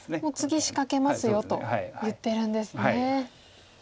「もう次仕掛けますよ」と言ってるんですね。